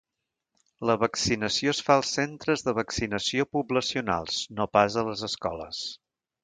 La vaccinació es fa als centres de vaccinació poblacionals, no pas a les escoles.